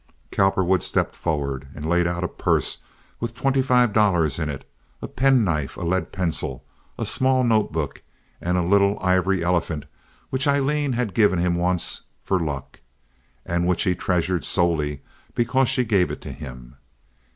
Cowperwood stepped forward and laid out a purse with twenty five dollars in it, a pen knife, a lead pencil, a small note book, and a little ivory elephant which Aileen had given him once, "for luck," and which he treasured solely because she gave it to him.